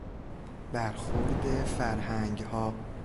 برخورد فرهنگها